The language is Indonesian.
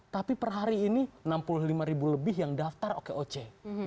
tapi per hari ini enam puluh lima ribu lebih yang daftar okoc